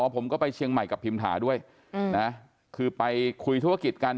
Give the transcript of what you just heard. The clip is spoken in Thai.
ผมก็ไปเชียงใหม่กับพิมถาด้วยนะคือไปคุยธุรกิจกัน